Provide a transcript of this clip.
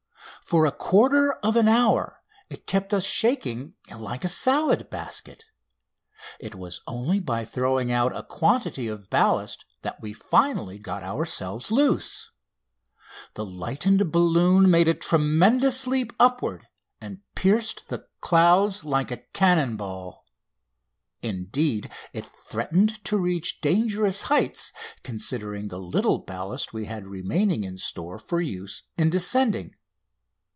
For a quarter of an hour it kept us shaking like a salad basket, and it was only by throwing out a quantity of ballast that we finally got ourselves loose. The lightened balloon made a tremendous leap upward and pierced the clouds like a cannon ball. Indeed, it threatened to reach dangerous heights, considering the little ballast we had remaining in store for use in descending.